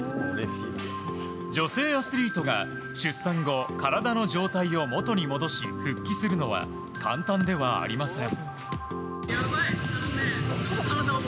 女性アスリートが出産後、体の状態を元に戻し復帰するのは簡単ではありません。